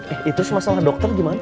eh itu masalah dokter gimana